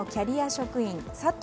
職員佐藤